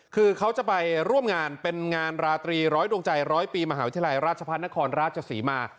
คือเขาจะไปร่วมงานเป็นงานราตรีร้อยดวงใจร้อยปีมหาวิทยาลัยราชพัฒนครราชศรีมา